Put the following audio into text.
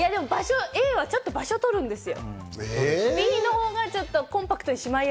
Ａはちょっと場所とるんですよ。